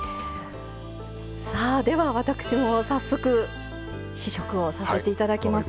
では、私も早速試食をさせていただきます。